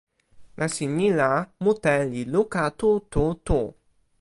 nasin ni la, mute li luka tu tu tu.